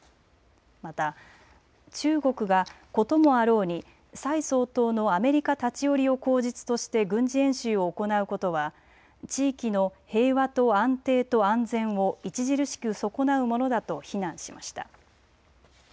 また、中国がこともあろうに蔡総統のアメリカ立ち寄りを口実として軍事演習を行うことは地域の平和と安定と安全を著しく損なうものだと非難しました。